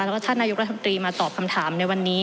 แล้วก็ท่านนายกรัฐมนตรีมาตอบคำถามในวันนี้